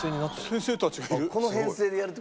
先生たちがいる。